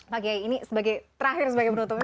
pak kiai ini sebagai terakhir sebagai penutupnya